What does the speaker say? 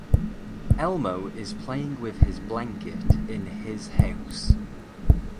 Elmo is playing with his blanket in his house.